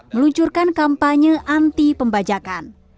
meluncurkan kampanye anti pembajakan